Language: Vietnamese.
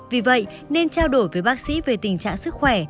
vì vậy nên trao đổi với bác sĩ về tình trạng sức khỏe